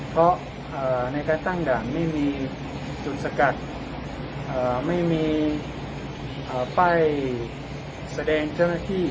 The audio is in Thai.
เพราะในการตั้งด่านไม่มีจุดสกัดไม่มีป้ายแสดงเจ้าหน้าที่